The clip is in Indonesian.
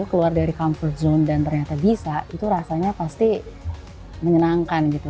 keluar dari comfort zone dan ternyata bisa itu rasanya pasti menyenangkan gitu